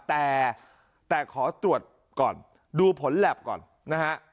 แต่แต่ขอตรวจก่อนดูผลแล็บก่อนนะฮะ